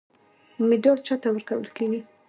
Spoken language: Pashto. مډال چا ته ورکول کیږي؟